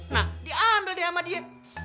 nah diambil dia sama dia